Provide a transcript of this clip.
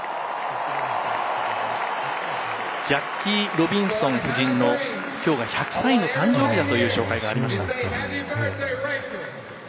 ジャッキー・ロビンソン夫人のきょうは１００歳の誕生日という紹介がありました。